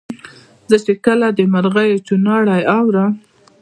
زه چي کله د مرغیو چوڼاری اورم